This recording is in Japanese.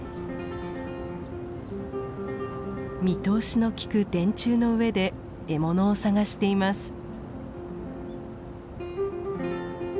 見通しの利く電柱の上で獲物を探しています。